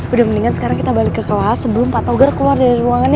udah mendingan sekarang kita balik ke kelas sebelum pak togar keluar dari ruangan